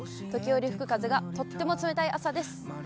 時折吹く風がとっても冷たい朝です。